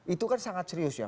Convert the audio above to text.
itu kan sangat serius ya